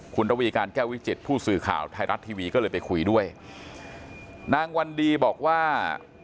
คุณระวีการแก้ววิจิตผู้สื่อข่าวไทยรัฐทีวีก็เลยไปคุยด้วยนางวันดีบอกว่า